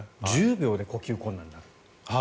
１０秒で呼吸困難になる。